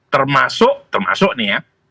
termasuk termasuk nih ya